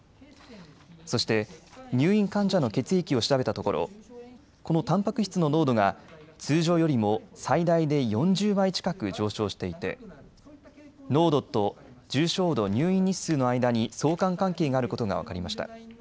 そして入院患者の血液を調べたところこのたんぱく質の濃度が通常よりも最大で４０倍近く上昇していて濃度と重症度、入院日数の間に相関関係があることが分かりました。